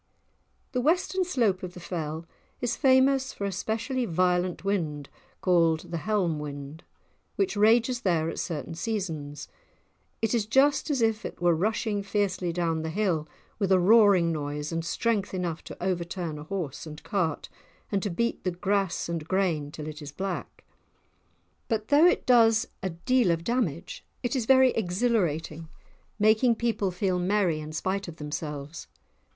The western slope of the Fell is famous for a specially violent wind called the "Helm wind," which rages there at certain seasons. It is just as if it were rushing fiercely down the hill, with a roaring noise and strength enough to overturn a horse and cart, and to beat the grass and grain till it is black! But though it does a deal of damage it is very exhilarating, making people feel merry in spite of themselves.